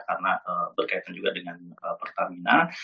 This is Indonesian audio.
kemudian pertemuan dengan pertamina